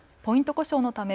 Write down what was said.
故障のため